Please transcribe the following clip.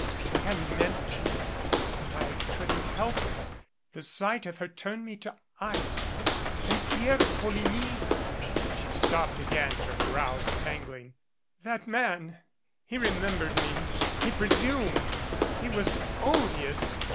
I hadn't meant to but I couldn't help it. The sight of her turned me to ice. And Pierre de Folligny " She stopped again, her brows tangling. "That man ! He 33'8 DUO remembered me. He presumed. He was odious.